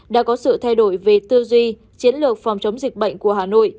đã có sự thay đổi về tư duy chiến lược phòng chống dịch bệnh của hà nội